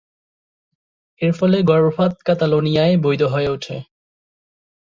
এর ফলে গর্ভপাত কাতালোনিয়ায় বৈধ হয়ে ওঠে।